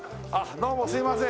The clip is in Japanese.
どうもすいません